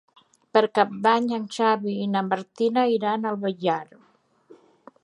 Per Cap d'Any en Xavi i na Martina iran al Villar.